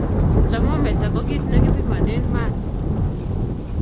tamometa ko kiit ne kipimonen maat